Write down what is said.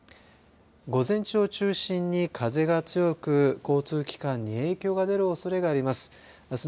午前中を中心に風が強く交通機関に影響が出るおそれがあります。